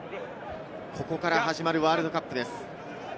ここから始まるワールドカップです。